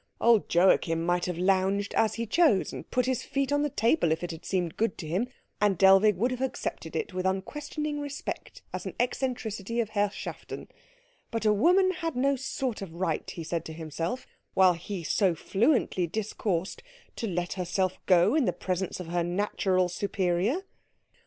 Old Joachim might have lounged as he chose, and put his feet on the table if it had seemed good to him, and Dellwig would have accepted it with unquestioning respect as an eccentricity of Herrschaften; but a woman had no sort of right, he said to himself, while he so fluently discoursed, to let herself go in the presence of her natural superior.